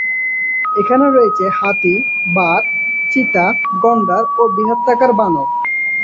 এখানে রয়েছে হাতি, বাঘ, চিতা, গণ্ডার ও বৃহদাকার বানর।